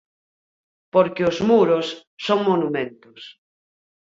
Porque os muros son monumentos.